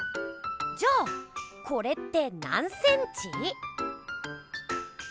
じゃあこれって何ｃｍ？